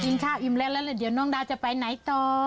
กินข้าวหยิ่มแล้วเดี๋ยวน้องได้จะไปไหนต่อ